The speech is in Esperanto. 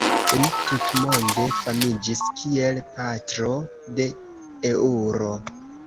Li tutmonde famiĝis kiel patro de eŭro.